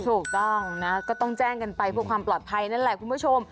ถูกต้องนะก็ต้องแจ้งกันไปเพื่อความปลอดภัยนั่นแหละคุณผู้ชม